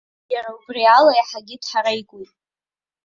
Иара убри ала иаҳагьы дҳареикуеит.